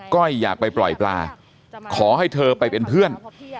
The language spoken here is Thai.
้อยอยากไปปล่อยปลาขอให้เธอไปเป็นเพื่อน